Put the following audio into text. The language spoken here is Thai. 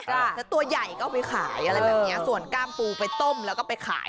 แล้วตัวใหญ่ก็เอาไปขายอะไรแบบนี้ส่วนกล้ามปูไปต้มแล้วก็ไปขาย